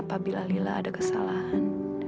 apabila lila ada kesalahan